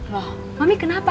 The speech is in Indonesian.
loh mami kenapa